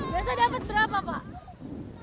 biasa dapat berapa pak